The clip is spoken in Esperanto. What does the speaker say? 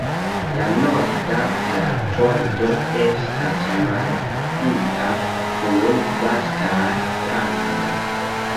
La norda marbordo estas malalta, kun vastaj strandoj.